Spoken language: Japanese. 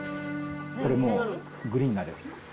これもう、グリーン？